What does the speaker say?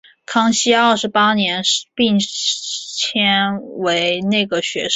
康熙二十八年升迁为内阁学士。